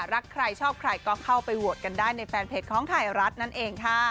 รักใครชอบใครก็เข้าไปโหวตกันได้ในแฟนเพจของไทยรัฐนั่นเองค่ะ